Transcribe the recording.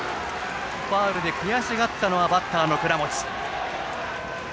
ファウルで悔しがったのはバッターの倉持。